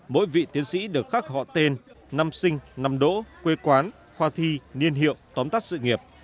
mỗi vị tiến sĩ được khắc họ tên năm sinh năm đỗ quê quán khoa thi niên hiệu tóm tắt sự nghiệp